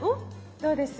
どうです？